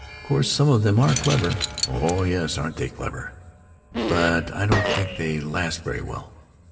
"Of course some of them are clever." "Oh yes, aren't they clever!" "But I don't think they last very well."